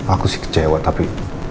aku sih kecewa tapi